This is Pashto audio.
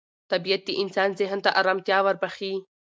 طبیعت د انسان ذهن ته ارامتیا وربخښي